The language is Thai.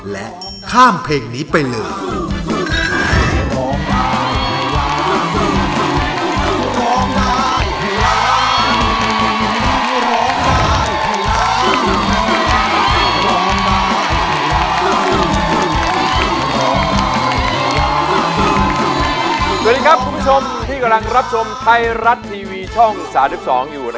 และข้ามเพลงนี้ไปเลย